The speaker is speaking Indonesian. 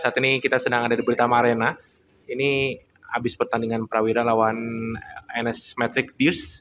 saat ini kita sedang ada di beritama arena ini habis pertandingan prawira lawan nsmetric news